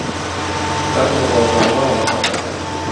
با لە ڕۆژاواوە هەڵدەکات.